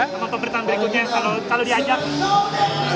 sama pemberitaan berikutnya kalau diajak